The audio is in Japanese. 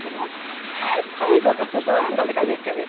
最後がそこなんだって感じですけどね。